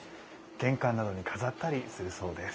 玄関などに飾ったりするそうです。